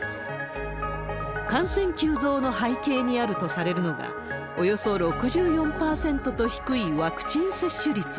感染急増の背景にあるとされるのが、およそ６４％と低いワクチン接種率。